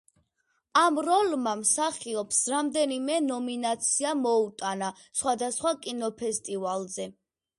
ამ როლმა მსახიობს რამდენიმე ნომინაცია მოუტანა სხვადასხვა კინოფესტივალზე.